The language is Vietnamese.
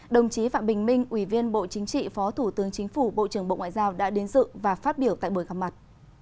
đồng chí phạm bình minh ủy viên bộ chính trị phó thủ tướng chính phủ bộ trưởng bộ ngoại giao đã đến dự và phát biểu tại buổi gặp mặt